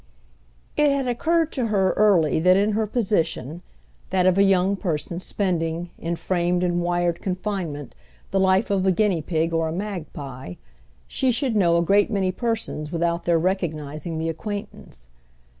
It had occurred to her early that in her position—that of a young person spending, in framed and wired confinement, the life of a guinea pig or a magpie—she should know a great many persons without their recognising the acquaintance.